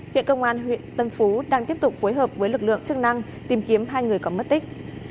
hiện công an huyện tân phú đang tiếp tục phối hợp với lực lượng chức năng tìm kiếm hai người có mất tích